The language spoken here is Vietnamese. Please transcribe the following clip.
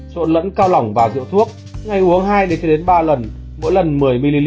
trộn lẫn cao lỏng vào rượu thuốc ngay uống hai ba lần mỗi lần một mươi ml